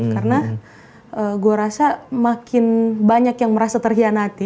karena gue rasa makin banyak yang merasa terhianati